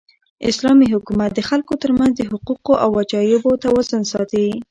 اسلامي حکومت د خلکو تر منځ د حقونو او وجایبو توازن ساتي.